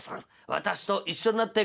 私と一緒になって下さい』。